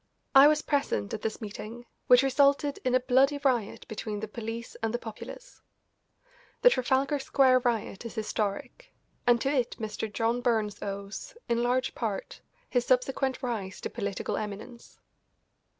I was present at this meeting, which resulted in a bloody riot between the police and the populace. The Trafalgar Square Riot is historic, and to it Mr. John Burns owes, in large part, his subsequent rise to political eminence.